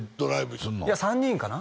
いや３人かな？